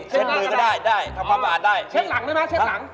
เช็ดมือก็ได้ได้ทำความสะอาดได้เช็ดหลังได้ไหมเช็ดหลัง